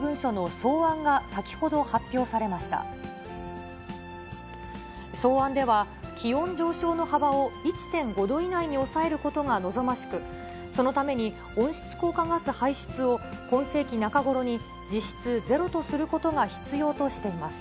草案では、気温上昇の幅を１．５度以内に抑えることが望ましく、そのために温室効果ガス排出を今世紀中頃に実質ゼロとすることが必要としています。